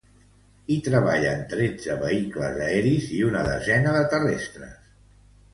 Hi treballen tretze vehicles aeris i una desena de terrestres.